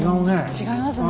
違いますね。